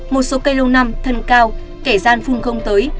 một số cây lâu năm thân cao kẻ gian phun không tới